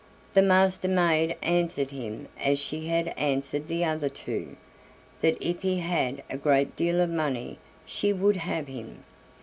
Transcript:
The Master maid answered him as she had answered the other two, that if he had a great deal of money, she would have him.